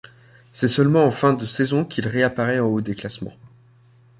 C'est seulement en fin de saison qu'il réapparait en haut des classements.